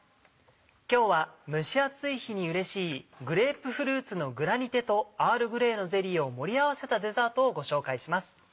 今日は蒸し暑い日にうれしい「グレープフルーツのグラニテとアールグレーのゼリー」を盛り合わせたデザートをご紹介します。